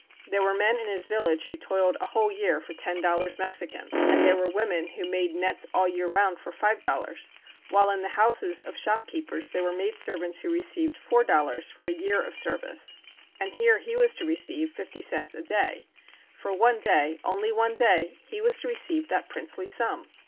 There were men in his village who toiled a whole year for ten dol lars Mexican, and there were women who made THE CHINAGO 159 nets all the year round for five dollars, while in the houses of shopkeepers there were maid servants who received four dollars for a year of service. And here he was to receive fifty cents a day; for one day, only one day, he was to receive that princely sum